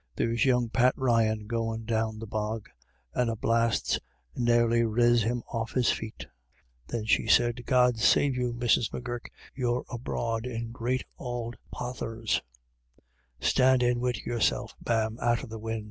" There's young Pat Ryan goin' down the bog, and a blast's narely riz him off his feet" A WET DAY. 95 Then she said :" God save you, Mrs. M'Gurk ; you're abroad in great auld polthers. Stand in wid yourself, ma'am, out o' the win'."